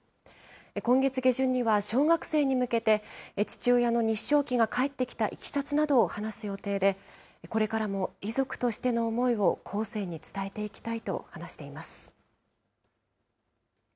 今月下旬には、小学生に向けて、父親の日章旗が返ってきたいきさつなどを話す予定で、これからも遺族としての思いを後世に伝えていきたいと話しています。